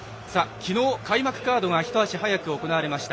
昨日、開幕カードが一足早く行われました。